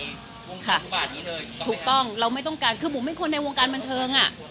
วงค่ะทุกบาทนี้เลยถูกต้องเราไม่ต้องการคือผมเป็นคนในวงการบันเทิงอ่ะ